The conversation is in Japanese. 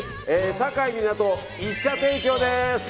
境港一社提供です。